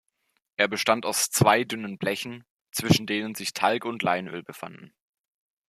Er bestand aus zwei dünnen Blechen, zwischen denen sich Talg und Leinöl befanden.